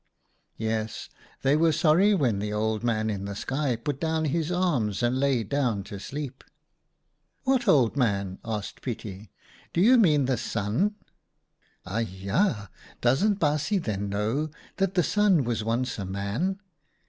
Yes, they were sorry when the Old Man in the sky put down his arms and lay down to sleep." "What Old Man?" asked Pietie. "Do you mean the Sun ?" "Aja! Don't baasjes then know that the Sun was once a man?